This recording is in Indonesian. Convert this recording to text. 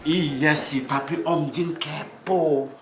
iya sih tapi om jin kepo